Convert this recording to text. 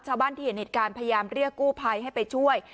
ชาวบ้านที่เห็นเหตุการณ์พยายามเรียกกู้ภัยให้ไปช่วย